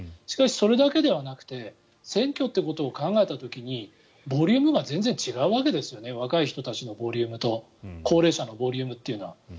しかし、それだけではなくて選挙ということを考えた時にボリュームが全然違うわけですよね若い人たちのボリュームと高齢者のボリュームというのは。